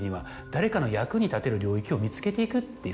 誰かの役に立てる領域を見つけていくっていう。